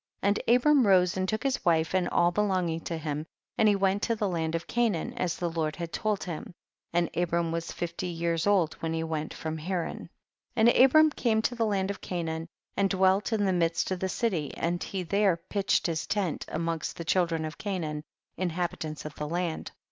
And Abram rose and took his wife and all belonging to him, and he went to the land of Canaan as the Lord had told him ; and Abram was fifty years old when he went from Haran. 6. And Abram came to the land of Canaan and dwelt in the midst of the city, and he there pitched his tent amongst the children of Canaan, in habitants of the land.